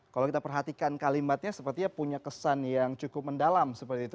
kalau kita perhatikan kalimatnya sepertinya punya kesan yang cukup mendalam seperti itu